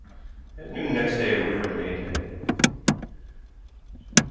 At noon next day we were in Maidenhead.